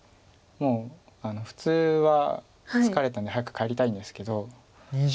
もう普通は疲れたんで早く帰りたいんですけど。